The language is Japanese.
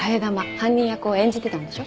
犯人役を演じてたんでしょ？